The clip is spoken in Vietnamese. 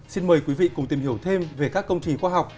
xin mời quý vị cùng tìm hiểu thêm về các công trình khoa học